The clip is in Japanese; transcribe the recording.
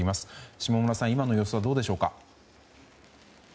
下村さん、今の様子はどうでしょうか。